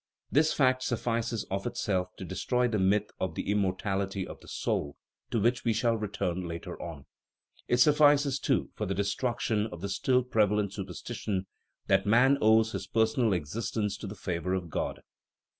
This fact suffices of itself to destroy the myth of the immortality of the soul, to which we shall return later on. It suffices, too, for the destruction of the still prevalent superstition that man owes his personal existence to the favor of God.